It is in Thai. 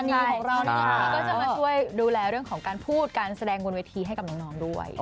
น้องเธอแล้วก็จะมาช่วยดูแลเรื่องของการพูดการแสดงบนวัยทีให้กับน้องด้วย